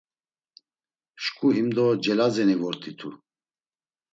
Şǩu himdo Celazeni vort̆itu.